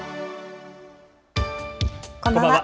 こんばんは。